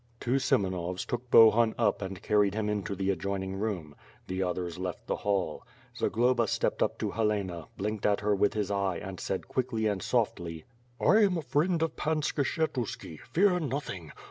Two Semenovs took Bohun up and carried him into the adjoining room. The others left the hall. Zagloba stepped up to Helena, blinked at her with his eye, and said quickly and softly: "I am a friend of Pan Skshetuski. Fear nothing!